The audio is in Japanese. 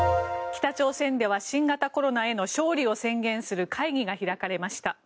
北朝鮮では新型コロナへの勝利を宣言する会議が開かれました。